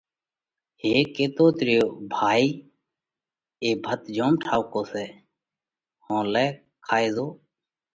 هيڪ ڪيتوت ريو: ڀايا اي ڀت جوم ٺائُوڪو سئہ، هون لئہ کائي زو۔